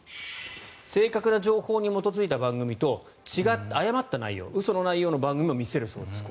正確な情報に基づいた番組と違った、誤った番組嘘の内容の番組を子どもたちに見せるそうです。